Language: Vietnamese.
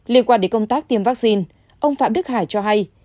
liên quan đến công tác tiêm vaccine ông phạm đức hải cho hay